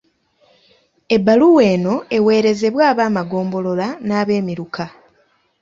Ebbaluwa eno ewerezebwe ab'amagombolola n'abeemiruka.